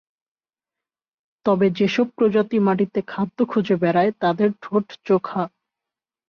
তবে যেসব প্রজাতি মাটিতে খাদ্য খুঁজে বেড়ায় তাদের ঠোঁট চোখা।